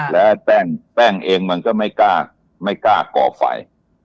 แล้วแป้งเองมันก็ไม่กล้าก่อไฟ